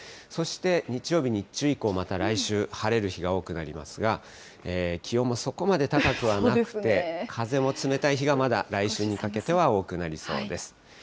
そして、日曜日日中以降、また来週、晴れる日が多くなりますが、気温もそこまで高くはなくて、風も冷たい日がまだ、来週にかけては多くなりそうです。